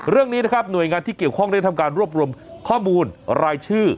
เรื่องนี้นะครับหน่วยงานที่เกี่ยวข้องได้ทำการรวบรวมข้อมูลรายชื่อ